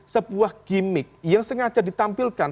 sebuah gimmick yang sengaja ditampilkan